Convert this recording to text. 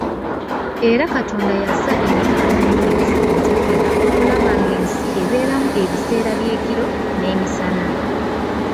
Era Katonda yassa enjuba n'omwezi entakera okulaba ng'ensi ebeeramu ebiseera by'ekiro n'emisana.